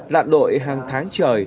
lạn đội hàng tháng trời